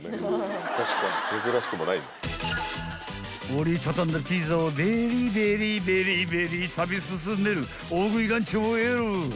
［折り畳んだピザをベリベリベリベリ食べ進める大食いランチＯＬ］